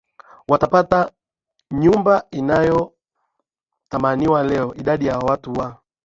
watapata nyumba inayotamaniwa Leo idadi ya watu wa